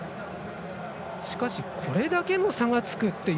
しかしこれだけの差がつくという。